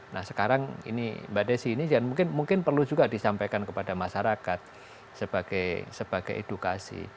nah sekarang ini mbak desi ini mungkin perlu juga disampaikan kepada masyarakat sebagai edukasi